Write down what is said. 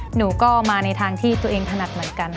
หนูก็มาในทางที่ตัวเองถนัดเหมือนกัน